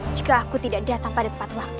jika aku tidak datang pada tepat waktu